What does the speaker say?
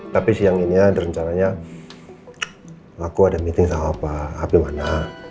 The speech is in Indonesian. tapi siang ini ada rencananya aku ada meeting sama pak abi mana